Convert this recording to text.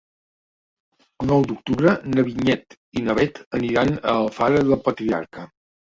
El nou d'octubre na Vinyet i na Bet aniran a Alfara del Patriarca.